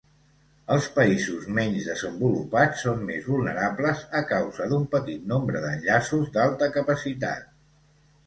Els països menys desenvolupats són més vulnerables a causa d'un petit nombre d'enllaços d'alta capacitat.